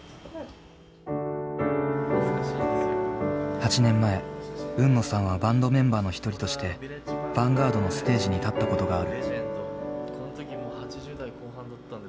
８年前海野さんはバンドメンバーの一人としてヴァンガードのステージに立ったことがある。